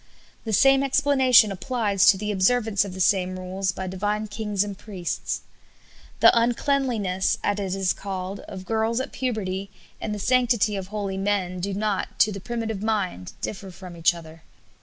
The same explanation applies to the observance of the same rules by divine kings and priests. The uncleanliness, as it is called, of girls at puberty and the sanctity of holy men do not, to the primitive mind, differ from each other.